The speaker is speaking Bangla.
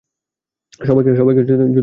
সবাইকে যুদ্ধে যেতে হবে।